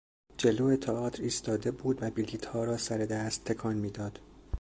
جلو تئاتر ایستاده بود و بلیطها را سر دست تکان میداد.